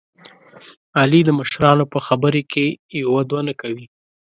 علي د مشرانو په خبره کې یوه دوه نه کوي.